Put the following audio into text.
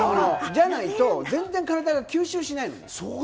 じゃないと全然体が吸収しないのね。